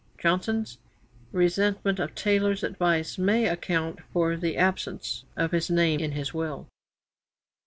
Johnson's resentment of Taylor's advice may account for the absence of his name in his will.